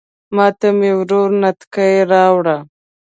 ماته مې ورور نتکۍ راوړه